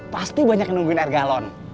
pasti banyak yang nungguin air galon